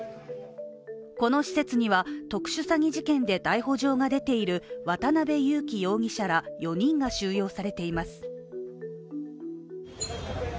この施設には、特殊詐欺事件で逮捕状が出ている渡辺優樹容疑者ら４人が収容されています。